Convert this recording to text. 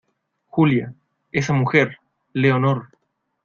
Julia, esa mujer , Leonor